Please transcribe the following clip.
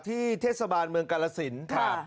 ที่เทศบาลเมืองกรสินฮะ